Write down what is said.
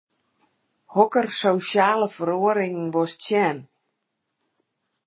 Hokker sosjale feroaringen wolst sjen?